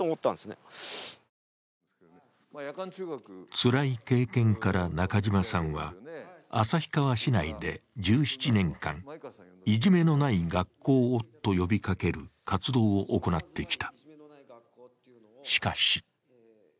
つらい経験から、中島さんは旭川市内で１７年間、「いじめのない学校を」と呼びかける活動を行ってきた。